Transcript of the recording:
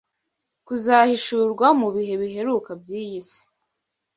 kuzahishurwa mu bihe biheruka by’iyi si